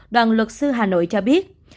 đoàn luật sư hà nội cho biết